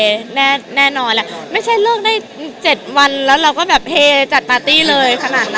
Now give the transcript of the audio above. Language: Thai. เราก็คิดว่าโอเคแน่นอนไม่ใช่เลิกได้เจ็ดวันแล้วเราก็เฮจัดสนุกเลย